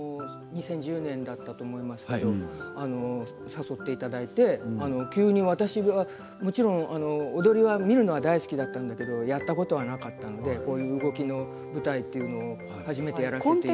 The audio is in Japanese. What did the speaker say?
２０１０年だったと思いますけれども誘っていただいて急に私が踊りを見るのは大好きだったんですけどやったことなかったのでこういう動きの舞台というのを初めてやらせてもらって。